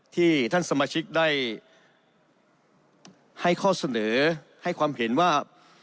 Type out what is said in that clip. ที่ท่านสมาชิกได้ให้ข้อเสนอให้ความเห็นว่า